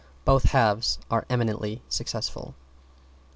Both halves are eminently successful.